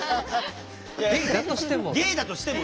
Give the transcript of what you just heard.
ゲイだとしても。